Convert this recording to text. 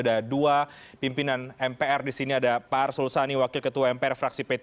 ada dua pimpinan mpr di sini ada pak arsul sani wakil ketua mpr fraksi p tiga